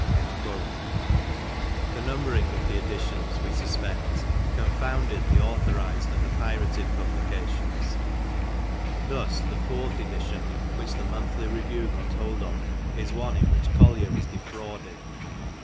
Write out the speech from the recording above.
^ The number ing of the editions we suspect confounded the authorized and the pirated publications, thus the fourth edition which the Monthly Review got hold of is one in which Collier is defrauded.